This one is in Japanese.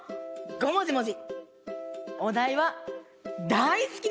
ごもじもじ！